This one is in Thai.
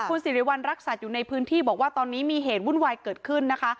คุณสิริวัณรักษัตริย์อยู่ในพื้นที่บอกว่าตอนนี้มีเหตุวุ่นวายเกิดขึ้นนะคะ